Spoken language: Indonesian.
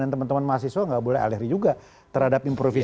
dan teman teman mahasiswa tidak boleh aleri juga terhadap impulsnya